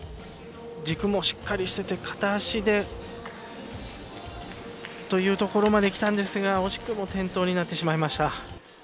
軸もしっかりしてて片足でというところまできたんですが惜しくも転倒になってしまいました。